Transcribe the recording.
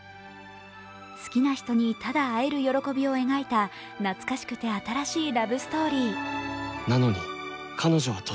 好きな人にただ会える喜びを描いた懐かしくて新しいラブストーリー。